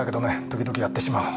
時々やってしまう。